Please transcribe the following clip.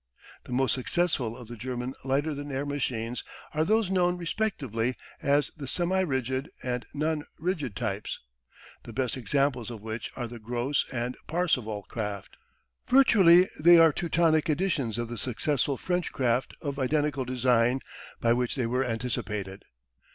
The most successful of the German lighter than air machines are those known respectively as the semi rigid and non rigid types, the best examples of which are the Gross and Parseval craft. Virtually they are Teutonic editions of the successful French craft of identical design by which they were anticipated.